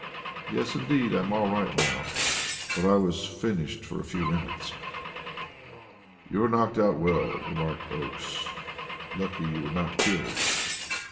"Yes, indeed. I am all right now, but I was finished for a few minutes." "You were knocked out well," remarked Oakes; "lucky you were not killed."